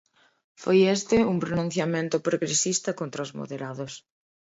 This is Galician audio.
Foi este un pronunciamento progresista contra os moderados.